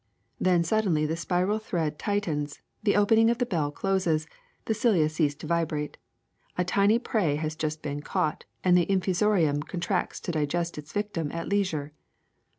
Then suddenly the spiral thread tightens, the opening of the bell closes, the cilia cease to vibrate. A tiny prey has just been caught and the infusorium contracts to digest its victim at leisure.